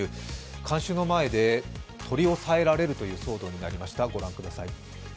観衆の前で取り押さえられるという騒動になりました。